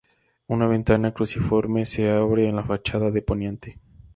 Una ventana cruciforme se abre en la fachada de poniente.